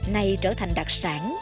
nay trở thành đặc sản